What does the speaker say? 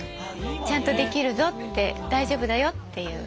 「ちゃんとできるぞ」って「大丈夫だよ」っていう。